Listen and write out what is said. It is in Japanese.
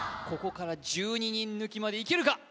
ここから１２人抜きまでいけるか？